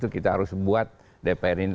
kita harus buat dpr ini